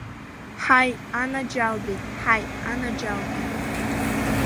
Ҳаи, анаџьалбеит, ҳаи, анаџьалбеит!